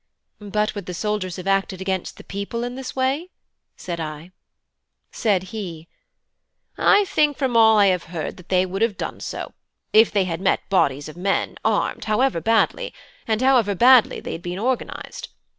"But would the soldiers have acted against the people in this way?" said I. Said he: "I think from all I have heard that they would have done so if they had met bodies of men armed however badly, and however badly they had been organised.